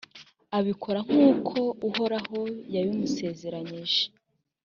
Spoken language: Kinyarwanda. abikora nk’uko uhoraho yabimusezeranyije.